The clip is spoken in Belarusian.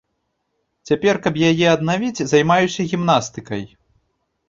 Цяпер, каб яе аднавіць, займаюся гімнастыкай.